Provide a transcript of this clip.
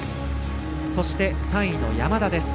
そして、３位の山田です。